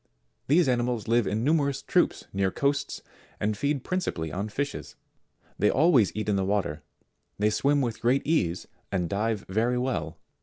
These animals live in numerous troops near coasts, and feed principally on fishes: they always eat in the water; they swim with great ease and dive very well.